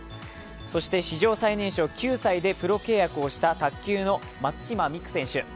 そして史上最年少９歳でプロ契約をした卓球の松島美空選手。